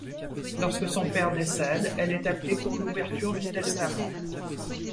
Lorsque son père décède, elle est appelée pour l'ouverture du testament.